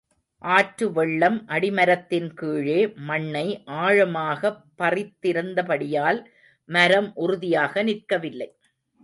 ஆற்று வெள்ளம் அடிமரத்தின் கீழே மண்ணை ஆழமாகப் பறித்திருந்த படியால் மரம் உறுதியாக நிற்கவில்லை.